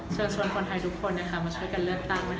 เชิญชวนคนไทยทุกคนมาช่วยกันเลือกตั้ง